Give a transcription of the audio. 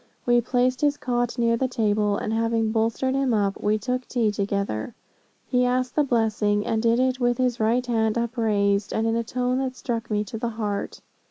We placed his cot near the table, and having bolstered him up, we took tea together. He asked the blessing, and did it with his right hand upraised, and in a tone that struck me to the heart.